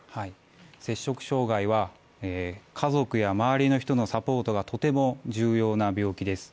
摂食障害は家族や周りの人のサポートがとても重要な病気です。